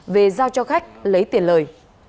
về giao cho khách lấy tiền lời